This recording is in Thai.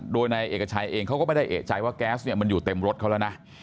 โดยนายเอกชัยเองเขาก็ไม่ได้เอกใจว่าแก๊สเนี่ยมันอยู่เต็มรถเขาแล้วนะ